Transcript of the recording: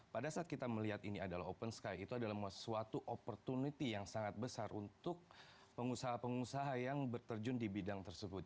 pada saat kita melihat ini adalah open sky itu adalah suatu opportunity yang sangat besar untuk pengusaha pengusaha yang berterjun di bidang tersebut